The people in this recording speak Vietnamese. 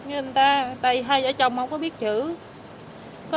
còn chị không có biết chữ